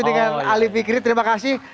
dengan ali fikri terima kasih